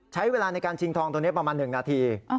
ใช้เวลาในการชิงทองตัวนี้ประมาณ๑นาที